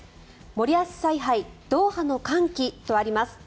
森保采配ドーハの歓喜とあります。